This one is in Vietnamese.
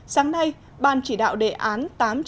sáng nay ban chỉ đạo đề án tám trăm chín mươi